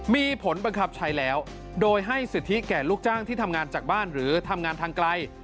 มีผลบังคับใช้แล้วโดยให้สิทธิแก่ลูกจ้างที่ทำงานจากบ้านหรือทำงานทางไกล